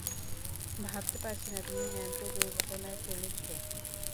ভাবতে পারছি না তুমি ম্যামথকে দুর্ঘটনায় ফেলেছ।